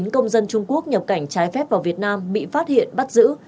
hai mươi chín công dân trung quốc nhập cảnh trái phép vào việt nam bị phát hiện bắt giữ